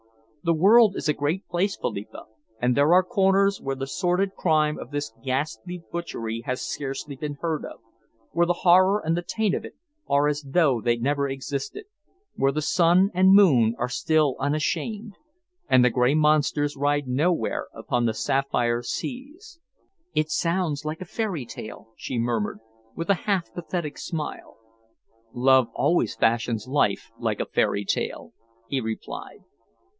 The world is a great place, Philippa, and there are corners where the sordid crime of this ghastly butchery has scarcely been heard of, where the horror and the taint of it are as though they never existed, where the sun and moon are still unashamed, and the grey monsters ride nowhere upon the sapphire seas." "It sounds like a fairy tale," she murmured, with a half pathetic smile. "Love always fashions life like a fairy tale," he replied.